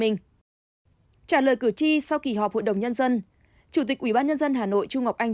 trả lời cử tri sau kỳ họp hội đồng nhân dân chủ tịch ubnd hà nội chu ngọc anh